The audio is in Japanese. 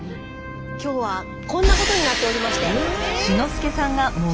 今日はこんなことになっておりまして。